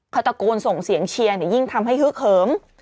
เขาตะโกนส่งเสียงเชียร์เนี่ยยิ่งทำให้ฮึกเหิม